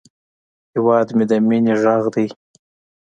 هیواد مې د مینې غږ دی